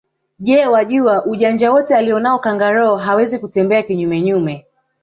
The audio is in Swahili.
Je wajua ujanja wote alonao kangaroo hawezi kutembea kinyume nyume